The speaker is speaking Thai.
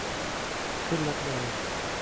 ขึ้นรถเมล์